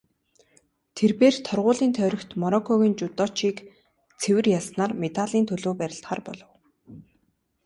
Тэр бээр торгуулийн тойрогт Мороккогийн жүдочийг цэвэр ялснаар медалийн төлөө барилдахаар болов.